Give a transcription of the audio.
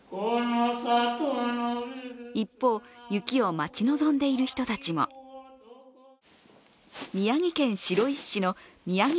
一方、雪を待ち望んでいる人たちも宮城県白石市のみやぎ